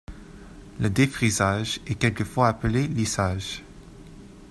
Le défrisage est quelquefois appelé lissage.